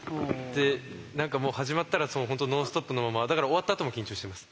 何かもう始まったら本当ノンストップのままだから終わったあとも緊張してます。